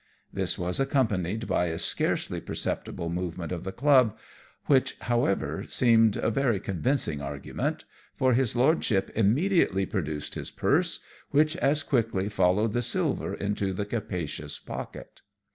This was accompanied by a scarcely perceptible movement of the club, which however seemed a very convincing argument, for his lordship immediately produced his purse, which as quickly followed the silver into the capacious pocket.